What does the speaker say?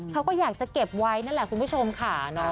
เขาก็อยากจะเก็บไว้นั่นแหละคุณผู้ชมค่ะ